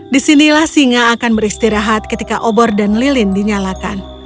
disinilah singa akan beristirahat ketika obor dan lilin dinyalakan